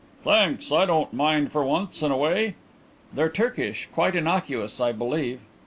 "Thanks, I don't mind for once in a way." "They're Turkish; quite innocuous, I believe."